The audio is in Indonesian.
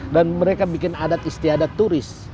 mereka bikin adat istiadat turis